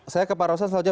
saya ke pak rawsan saja